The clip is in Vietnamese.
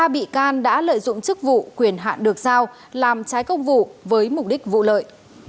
ba bị can đã lợi dụng chức vụ quyền hạn được giao làm trái công vụ với mục đích vụ lợi